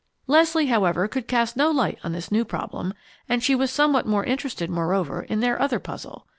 Leslie, however, could cast no light on this new problem; and she was somewhat more interested, moreover, in their other puzzle.